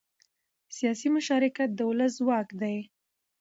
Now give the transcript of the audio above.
سیاسي مشارکت د ولس ځواک دی